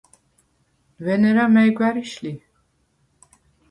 ვენერა მა̈ჲ გვა̈რიშ ლი?